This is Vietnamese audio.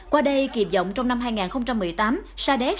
qua đây kịp dọng trong năm hai nghìn một mươi tám sa đếc